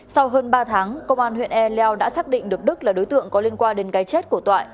sau hơn ba tháng công an huyện e leo đã xác định được đức là đối tượng có liên quan đến cái chết của toại